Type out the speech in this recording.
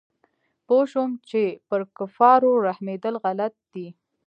پوه سوم چې پر کفارو رحمېدل غلط دي.